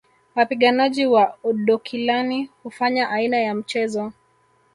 Wapiganaji wa Oodokilani hufanya aina ya mchezo